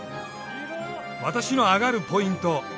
私のアガるポイント。